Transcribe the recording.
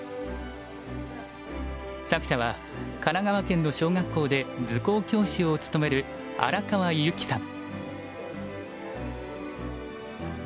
作者は神奈川県の小学校で図工教師を務める荒川由貴さん。